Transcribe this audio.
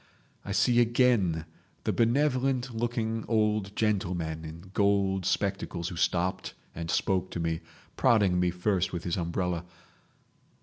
I see again the benevolent looking old gentleman in gold spectacles who stopped and spoke to me—prodding me first with his umbrella.